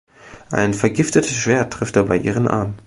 Ein vergiftetes Schwert trifft dabei ihren Arm.